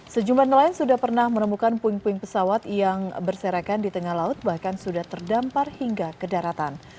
sejumlah nelayan sudah pernah menemukan puing puing pesawat yang berserakan di tengah laut bahkan sudah terdampar hingga ke daratan